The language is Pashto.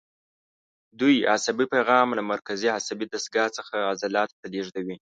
دوی عصبي پیغام له مرکزي عصبي دستګاه څخه عضلاتو ته لېږدوي.